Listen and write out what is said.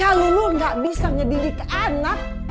kalo lu gak bisa nyedili ke anak